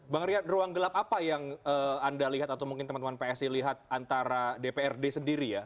bang rian ruang gelap apa yang anda lihat atau mungkin teman teman psi lihat antara dprd sendiri ya